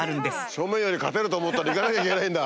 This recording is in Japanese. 正面より勝てると思ったら行かなきゃいけないんだ。